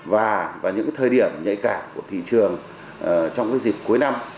và những thời điểm nhạy cảm của thị trường trong dịp cuối năm